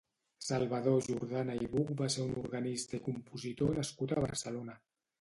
Salvador Jordana i Buch va ser un organista i compositor nascut a Barcelona.